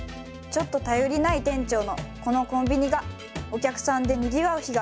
ちょっと頼りない店長のこのコンビニがお客さんでにぎわう日が来るのでしょうか